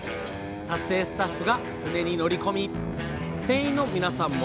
撮影スタッフが船に乗り込み船員の皆さんも。